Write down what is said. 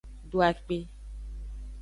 Do akpe.